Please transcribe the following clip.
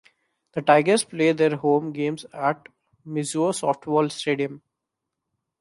The Tigers play their home games at Mizzou Softball Stadium.